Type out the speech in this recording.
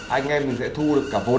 anh em mình sẽ thu được cả vốn